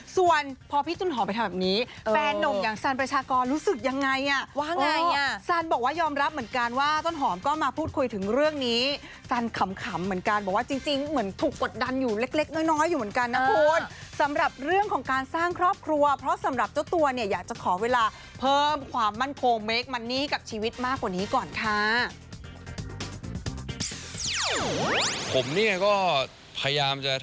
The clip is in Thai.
ส่วนพอพี่ต้นหอมไปทางแบบนี้แฟนหนุ่มอย่างสันประชากรรู้สึกยังไงอ่ะว่าไงอ่ะสันบอกว่ายอมรับเหมือนกันว่าต้นหอมก็มาพูดคุยถึงเรื่องนี้สันขำเหมือนกันบอกว่าจริงจริงเหมือนถูกกดดันอยู่เล็กเล็กน้อยน้อยอยู่เหมือนกันนะคุณสำหรับเรื่องของการสร้างครอบครัวเพราะสำหรับเจ้าตัวเนี้ย